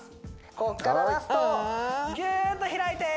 こっからラストぎゅーっと開いてー！